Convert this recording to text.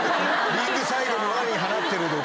リングサイドにワニ放ってるとか。